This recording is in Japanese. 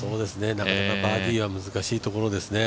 なかなかバーディーは難しいところですね。